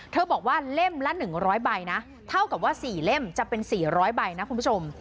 บอกว่าเล่มละ๑๐๐ใบนะเท่ากับว่า๔เล่มจะเป็น๔๐๐ใบนะคุณผู้ชม